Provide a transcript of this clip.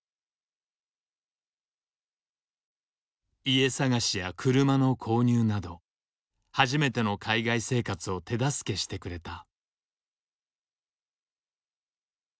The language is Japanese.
家探しや車の購入など初めての海外生活を手助けしてくれた。